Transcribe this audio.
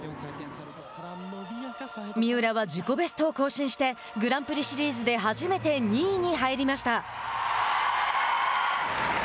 三浦は自己ベストを更新してグランプリシリーズで初めて２位に入りました。